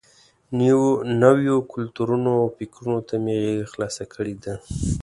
نویو کلتورونو او فکرونو ته مې غېږه خلاصه کړې ده.